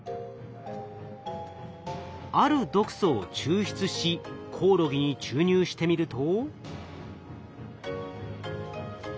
ある毒素を抽出しコオロギに注入してみると。